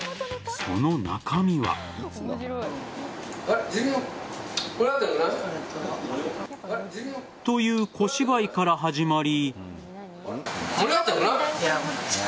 その中身は。という小芝居から始まり。